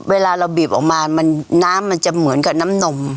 เวลาเราบีบออกมาน้ำมันจะเหมือนกับน้ำนม